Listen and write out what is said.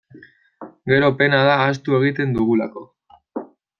Gero, pena da, ahaztu egiten dugulako.